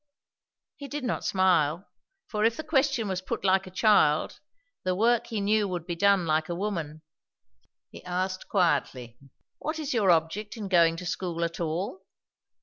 He did not smile, for if the question was put like a child, the work he knew would be done like a woman. He asked quietly, "What is your object in going to school at all?"